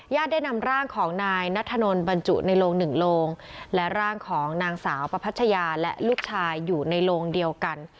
ได้นำร่างของนายนัทธนลบรรจุในโลงหนึ่งโลงและร่างของนางสาวประพัชยาและลูกชายอยู่ในโลงเดียวกัน